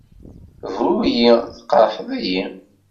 Bru-iyi! Tqerḥed-iyi!